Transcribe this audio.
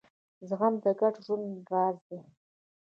زغم د ګډ ژوند راز دی.